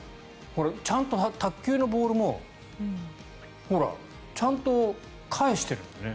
これ、ちゃんと卓球のボールもちゃんと返してるんだよね。